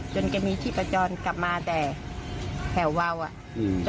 จนแกมีที่ประจองกลับมาแต่แถวเว้าอ่ะอืม